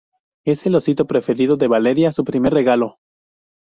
es el osito preferido de Valeria. su primer regalo.